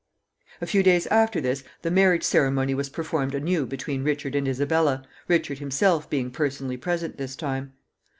A few days after this the marriage ceremony was performed anew between Richard and Isabella, Richard himself being personally present this time.